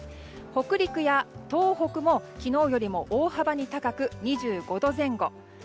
北陸や東北も昨日よりも大幅に高く２５度前後。